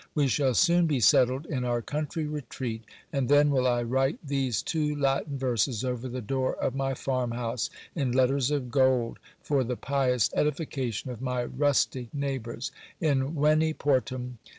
We shall soon be settled in our country retreat ; and then will I write these two Latin verses over the door of my farm house, in letters of gold, for the pious edification of my rustic neighbours : Inveni portum.